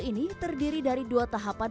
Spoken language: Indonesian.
ini terdiri dari dua tahapan